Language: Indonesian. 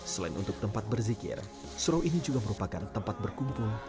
selain untuk tempat berzikir surau ini juga merupakan tempat berkumpul